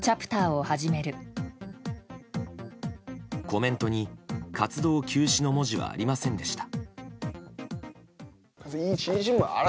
コメントに活動休止の文字はありませんでした。